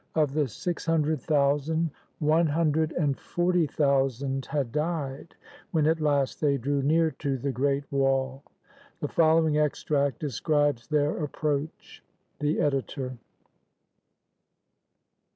Of the six hundred thousand, one hundred and forty thousand had died when at last they drew near to the Great Wall. The following extract describes their ap proach. The Editor.